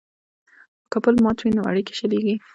که پل مات وي نو اړیکې شلیږي.